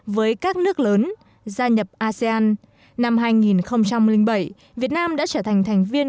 với các nước lớn gia nhập asean năm hai nghìn bảy việt nam đã trở thành thành viên